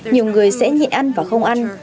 nhiều người sẽ nhịn ăn và không ăn